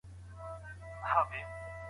د سمندر د عشق څپو کې ډوب دی